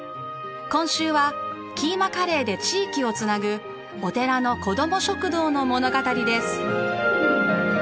今週はキーマカレーで地域を繋ぐお寺のこども食堂の物語です。